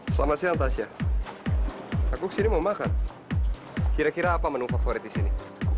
eh selamat siang tasya aku kesini mau makan kira kira apa menu favorit disini